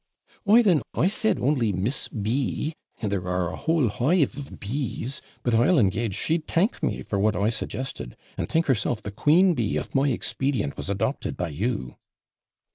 'Why, then, I said only Miss B , and there are a whole hive of BEES. But I'll engage she'd thank me for what I suggested, and think herself the queen bee if my expedient was adopted by you.'